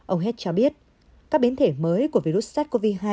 ông hed cho biết các biến thể mới của virus sars cov hai